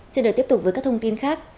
xin được tiếp tục với các thông tin khác